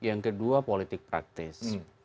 yang kedua politik praktis